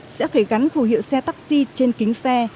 sẽ phải gắn phù hiệu xe taxi trên kính xe